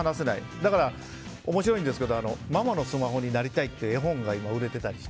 だから面白いんですけど「ママのスマホになりたい」って絵本が今、売れていて。